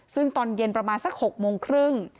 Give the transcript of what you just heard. ซึ่งตอนเย็นประมาณสัก๖โมงครึ่ง